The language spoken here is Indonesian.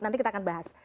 nanti kita akan bahas